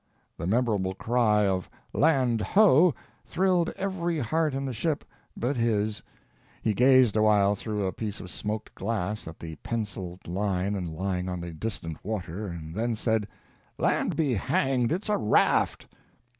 The memorable cry of "Land ho!" thrilled every heart in the ship but his. He gazed awhile through a piece of smoked glass at the penciled line lying on the distant water, and then said: "Land be hanged it's a raft!"